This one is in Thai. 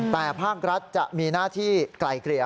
แต่ภาครัฐจะมีหน้าที่ไกลเกลี่ย